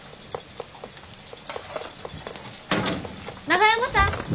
長山さん